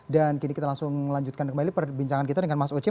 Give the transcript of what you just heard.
dan kita langsung lanjutkan kembali perbincangan kita dengan mas oce